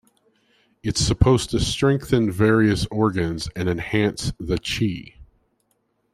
It is supposed to strengthen various organs and enhance the "qi".